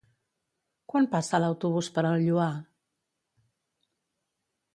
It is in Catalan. Quan passa l'autobús per el Lloar?